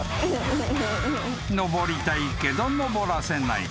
［登りたいけど登らせない。